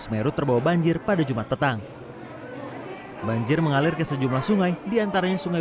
semeru terbawa banjir pada jumat petang banjir mengalir ke sejumlah sungai diantaranya sungai